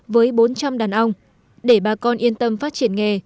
với bốn trăm linh đàn ong để bà con yên tâm phát triển nghề